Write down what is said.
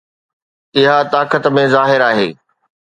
اها طاقت ۾ ظاهر آهي.